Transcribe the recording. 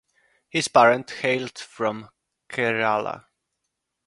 His parents hailed from Kerala.